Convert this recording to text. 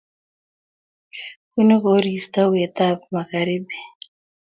bunuu koristo wetab magharibi